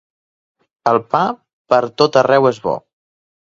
El pa pertot arreu és bo.